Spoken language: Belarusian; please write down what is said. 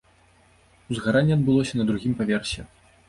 Узгаранне адбылося на другім паверсе.